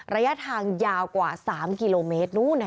ระยะทางยาวกว่า๓กิโลเมตรนู้น